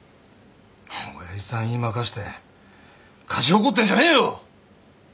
親父さん言い負かして勝ち誇ってんじゃねえよ。